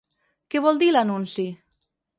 Què vol dir l’anunci?